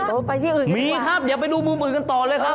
โอ้ไปที่อื่นกันดีกว่ามีครับอย่าไปดูมุมอื่นกันต่อเลยครับ